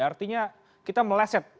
artinya kita meleset